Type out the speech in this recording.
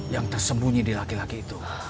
yang tersembunyi di laki laki itu